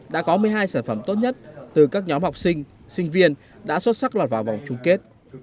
đã có một mươi hai sản phẩm tốt nhất từ các nhóm học sinh sinh viên đã xuất sắc lọt vào vòng chung kết